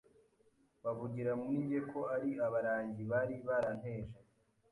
bavugira muri njye ko ari abarangi bari baranteje